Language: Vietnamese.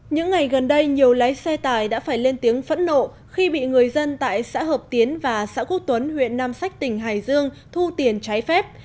những ngày gần đây nhiều lái xe tải đã phải lên tiếng phẫn nộ khi bị người dân tại xã hợp tiến và xã quốc tuấn huyện nam sách tỉnh hải dương thu tiền trái phép